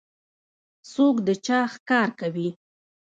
څوک د چا ښکار کوي؟